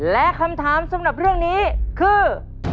และคำถามสำหรับเรื่องนี้คือ